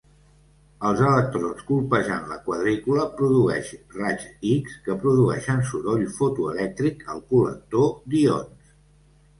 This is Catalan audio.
Els electrons colpejant la quadrícula produeix raigs X que produeixen soroll fotoelèctric al col·lector d'ions.